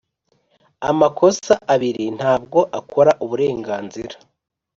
amakosa abiri ntabwo akora uburenganzira